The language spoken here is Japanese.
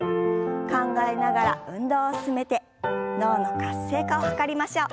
考えながら運動を進めて脳の活性化を図りましょう。